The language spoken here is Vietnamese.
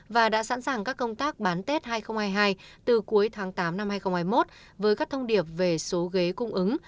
và đã sẵn sàng các công tác bán tết hai nghìn hai mươi hai từ cuối tháng tám năm hai nghìn hai mươi một với các thông điệp về số ghế cung ứng